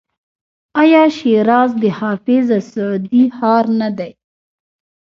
آیا شیراز د حافظ او سعدي ښار نه دی؟